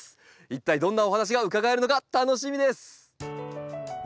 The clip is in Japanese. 一体どんなお話が伺えるのか楽しみです。